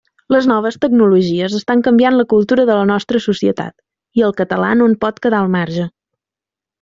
Les noves tecnologies estan canviant la cultura de la nostra societat i el català no en pot quedar al marge.